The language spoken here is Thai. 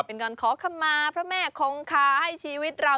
เป็นการขอคำมาพระแม่คงคาให้ชีวิตเรา